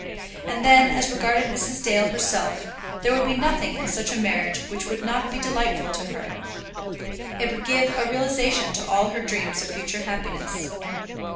And then, as regarded Mrs. Dale herself, there would be nothing in such a marriage which would not be delightful to her. It would give a realization to all her dreams of future happiness.